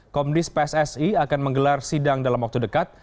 komdis pssi akan menggelar sidang dalam waktu dekat